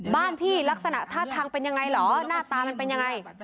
บ้านพี่ลักษณะท่าทางเป็นยังไงเหรอหน้าตามันเป็นยังไง